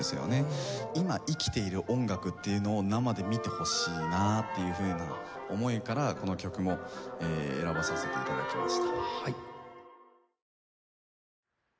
今生きている音楽っていうのを生で見てほしいなっていうふうな思いからこの曲を選ばせて頂きました。